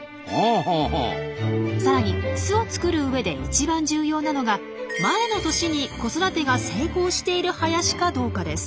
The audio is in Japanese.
さらに巣を作る上で一番重要なのが前の年に子育てが成功している林かどうかです。